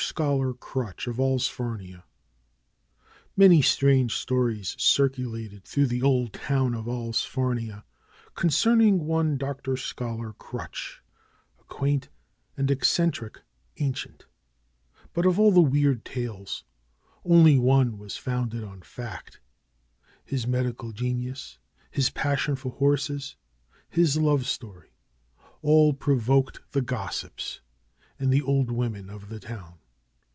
SCHOLAR CRUTCH, OF ALLSFARNIA Many strange stories circulated through the old town of Allsfamia concerning one Dr. Scholar Crutch, a quaint and eccentric ancient. But of all the weird tales, only one was founded on fact. His medical genius, his passion for horses, his love story, all provoked the gossips and the old women of the town.